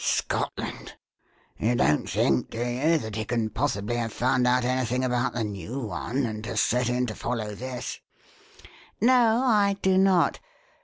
"Scotland! You don't think, do you, that he can possibly have found out anything about the new one and has set in to follow this?" "No, I do not.